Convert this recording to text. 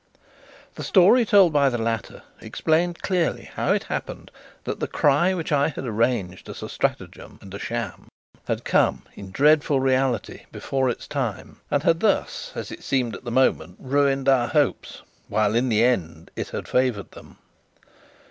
The story told by the latter explained clearly how it happened that the cry which I had arranged as a stratagem and a sham had come, in dreadful reality, before its time, and had thus, as it seemed at the moment, ruined our hopes, while in the end it had favoured them.